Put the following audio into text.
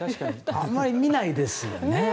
あまり見ないですよね。